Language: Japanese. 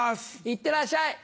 いってらっしゃい！